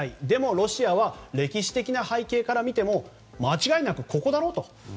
でもロシアは歴史的な背景から見ても間違いなく、ここだろうと。